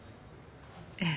ええ。